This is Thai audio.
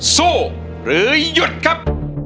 สู้หรือหยุดครับ